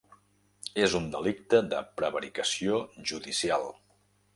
És un delicte de prevaricació judicial.